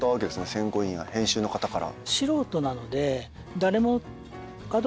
選考委員や編集の方から。